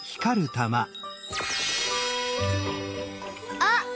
あっ！